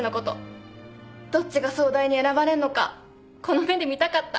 どっちが総代に選ばれんのかこの目で見たかった